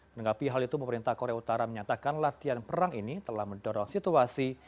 menanggapi hal itu pemerintah korea utara menyatakan latihan perang ini telah mendorong situasi